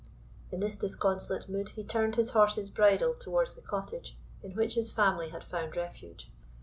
In this disconsolate mood he turned his horse's bridle towards the cottage in which his family had found refuge.